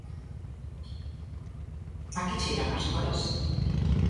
A que cheiran as cores?